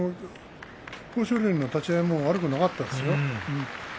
豊昇龍の立ち合いはよくなかったですね。